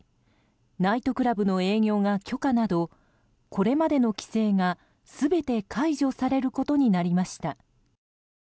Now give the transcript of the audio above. ナイトクラブの営業が許可などこれまでの規制が全て解除されることになりました。